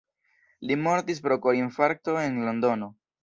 Li mortis pro korinfarkto en Londono.